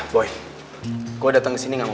boy gue dateng kesini gak mau